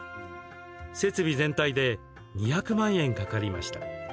設備全体で２００万円かかりました。